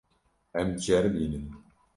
Em diceribînin.